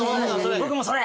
僕もそれ！